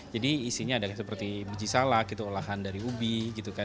jadi isinya ada seperti biji salak gitu olahan dari ubi gitu kan